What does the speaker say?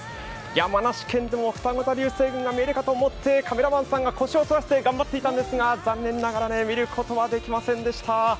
山梨県でもふたご座流星群が見えるかと思ってカメラマンさんが腰をそらして頑張っていたんですが、残念ながら見ることはできませんでした。